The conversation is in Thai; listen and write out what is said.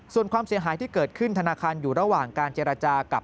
ส่วนความเสียหายที่เกิดขึ้นธนาคารอยู่ระหว่างการเจรจากับ